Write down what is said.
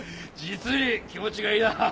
実に気持ちがいいな。